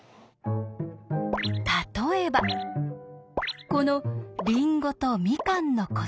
例えばこのりんごとみかんの個数。